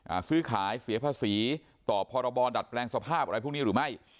ซื้อขายเสียภาษีต่อพรบดัดแปลงสภาพอะไรพวกนี้หรือไม่